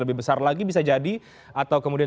lebih besar lagi bisa jadi atau kemudian